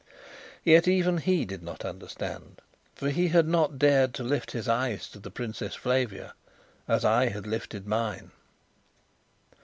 Yet even he did not understand, for he had not dared to lift his eyes to the Princess Flavia, as I had lifted mine.